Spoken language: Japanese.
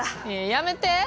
やめて！